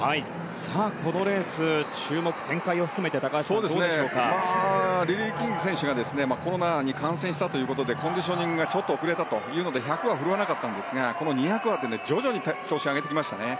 このレース注目は展開を含めてリリー・キング選手がコロナに感染したということでコンディショニングが遅れたということで１００は振るわなかったんですがこの２００に向けて徐々に調子を上げてきましたね。